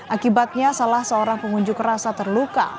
akibatnya salah seorang pengunjuk rasa terluka